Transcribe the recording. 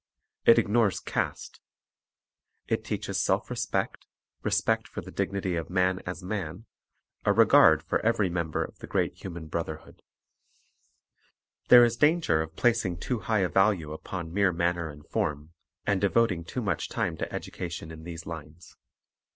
It ignores caste. It teaches self respect, respect for the dignity of man as man, a regard for every member of the great human brotherhood. (240) Deportment 241 There is danger of placing too high a value upon mere manner and form, and devoting too much time to education in these lines.